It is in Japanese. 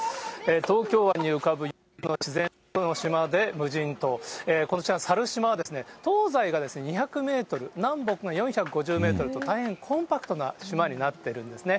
東京湾に浮かぶ自然の島で無人島、こちら、猿島は東西が２００メートル、南北が４５０メートルと、大変コンパクトな島になってるんですね。